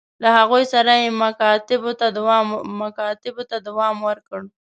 له هغوی سره یې مکاتبو ته دوام ورکړ.